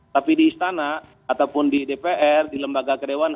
tapi di istana ataupun di dpr di lembaga kedewan